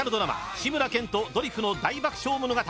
「志村けんとドリフの大爆笑物語」。